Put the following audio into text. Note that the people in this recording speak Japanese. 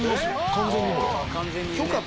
完全にほら。